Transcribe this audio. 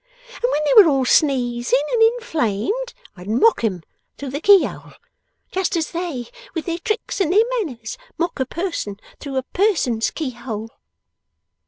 And when they were all sneezing and inflamed, I'd mock 'em through the keyhole. Just as they, with their tricks and their manners, mock a person through a person's keyhole!